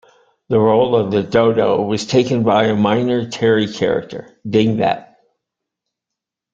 The role of the Do-Do was taken by a minor Terry character, Dingbat.